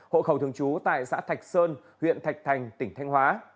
hộ khẩu thường trú tại xã thạch sơn huyện thạch thành tỉnh thanh hóa